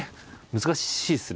難しいですね。